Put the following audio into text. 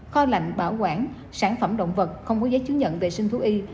kho lạnh bảo quản sản phẩm động vật không có giấy chứng nhận vệ sinh thú y